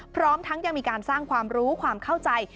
พร้อมทั้งยังมีการสร้างความรู้ความเข้าใจ